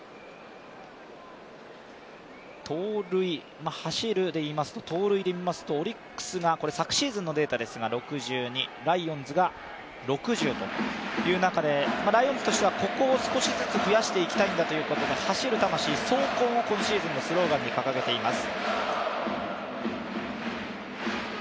盗塁、走るでいいますと盗塁で見ますと、オリックスが、昨シーズンのデータですが６２、ライオンズが６０という中でライオンズとしてはここを少しずつ増やしていきたいんだということで、走る魂「走魂」を今シーズンのスローガンに掲げています。